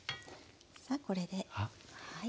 さあこれではい。